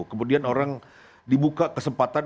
kemudian orang dibuka kesempatan